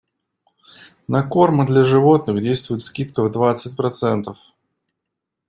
На корм для животных действует скидка в двадцать процентов.